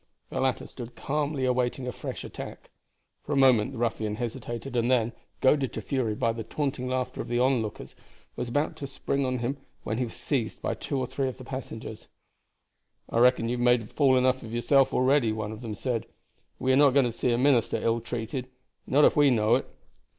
The latter stood calmly awaiting a fresh attack. For a moment the ruffian hesitated, and then, goaded to fury by the taunting laughter of the lookers on, was about to spring upon him when he was seized by two or three of the passengers. "I reckon you have made a fool enough of yourself already," one of them said; "and we are not going to see a minister ill treated, not if we know it."